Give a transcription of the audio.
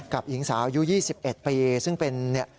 กับหญิงสายู่๒๑ปีซึ่งเป็น